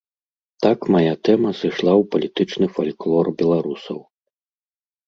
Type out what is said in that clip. Так мая тэма сышла ў палітычны фальклор беларусаў.